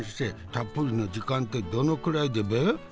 たっぷりの時間ってどのくらいでブー？」。